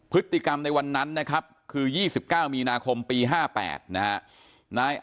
พฤติกรรมในวันนั้นคือ๒๙นาคมปี๕๘นะครับ